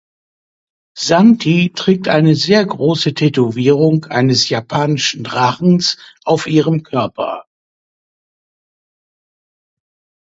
Santi trägt eine sehr große Tätowierung eines japanischen Drachen auf ihrem Körper.